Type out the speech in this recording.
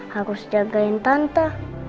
harus jagain tante